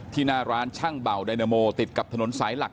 ที่หน้าร้านช่างเบ่าดายเนอร์โมติดกับถนนสายหลัก